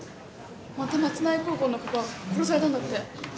また松苗高校の子が殺されたんだって。